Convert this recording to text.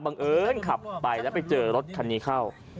เอิญขับไปแล้วไปเจอรถคันนี้เข้า